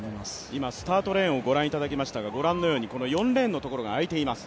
今、スタートレーンを御覧いただきましたが４レーンのところが空いています。